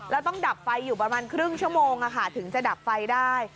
แล้วต้องดับไฟอยู่ประมาณครึ่งชั่วโมงถึงจะดับไฟได้